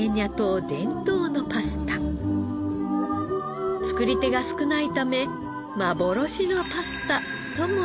作り手が少ないため「幻のパスタ」とも呼ばれます。